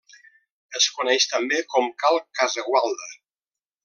Es coneix també com Cal Casagualda.